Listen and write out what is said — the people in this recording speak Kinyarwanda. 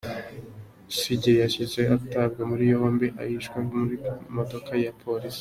Besigye yahise atabwa muri yombi ashyirwa mu modoka ya polisi.